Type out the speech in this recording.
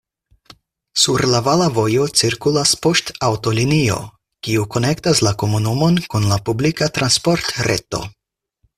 Sur la vala vojo cirkulas poŝtaŭtolinio, kiu konektas la komunumon kun la publika transportreto.